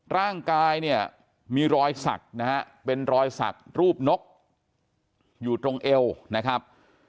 ร่างกายเนี่ยมีรอยสักนะฮะเป็นรอยสักรูปนกอยู่ตรงเอวนะครับ